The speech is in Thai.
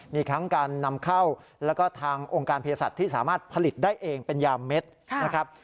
มีทั้งการนำเข้าแล้วก็ทางองค์การเพศสัตว์ที่สามารถผลิตได้เองเป็นยาเม็ดนะครับ